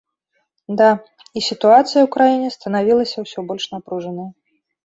Да, і сітуацыя ў краіне станавілася ўсё больш напружанай.